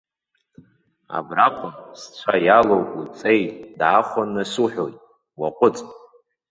Абраҟа сцәа иалоу уҵеи даахәаны суҳәоит, уаҟәыҵ!